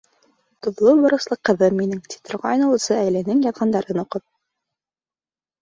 Тоҙло-боросло ҡыҙым минең, ти торғайны ул З. Әйленең яҙғандарын уҡып.